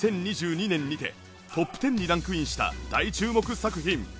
２０２２年にてトップ１０にランクインした大注目作品。